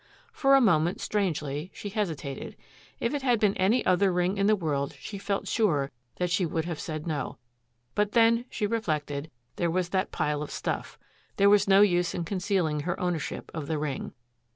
For a moment, strangely, she hesitated. If it had been any other ring in the world she felt sure that she would have said no. But, then, she reflected, there was that pile of stuff. There was no use in concealing her ownership of the ring.